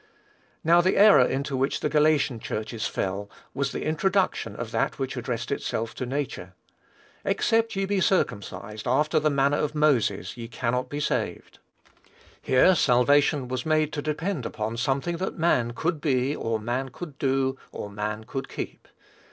Now, the error into which the Galatian churches fell, was the introduction of that which addressed itself to nature. "Except ye be circumcised after the manner of Moses, ye cannot be saved." Here salvation was made to depend upon something that man could be, or man could do, or man could keep.